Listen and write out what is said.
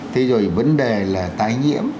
thì rồi vấn đề là tái nhiễm